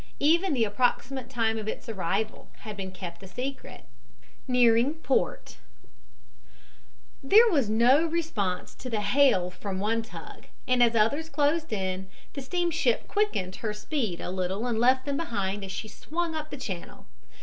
Even the approximate time of its arrival had been kept a secret. NEARING PORT There was no response to the hail from one tug, and as others closed in, the steamship quickened her speed a little and left them behind as she swung up the channel.